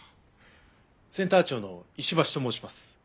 センター長の石橋と申します。